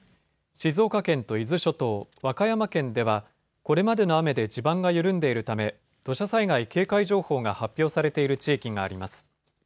静岡県と伊豆諸島、和歌山県ではこれまでの雨で地盤が緩んでいるため土砂災害警戒情報が発表されている地域があります。